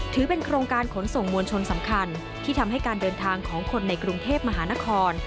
ถือเป็นโครงการขนส่งมวลชนสำคัญที่ทำให้การเดินทางของคนในกรุงเทพมหานคร